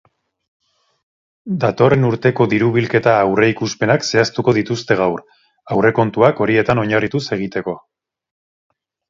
Datorren urteko diru-bilketa aurreikuspenak zehaztuko dituzte gaur, aurrekontuak horietan oinarrituz egiteko.